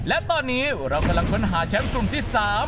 และตอนนี้เรากำลังค้นหาแชมป์กลุ่มที่๓